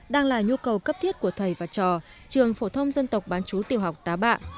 đang là nhu cầu cấp thiết của thầy và trò trường phổ thông dân tộc bán chú tiểu học tá bạ